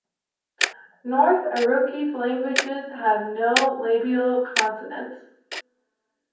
North Iroquois languages have no labial consonants.